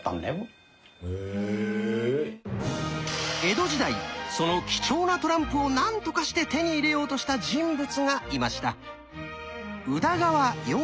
江戸時代その貴重なトランプを何とかして手に入れようとした人物がいました。